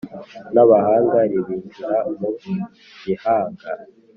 N'abahanga ribinjira mu gihanga